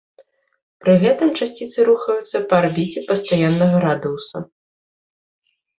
Пры гэтым часціцы рухаюцца па арбіце пастаяннага радыуса.